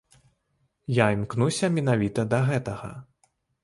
Я імкнуся менавіта да гэтага.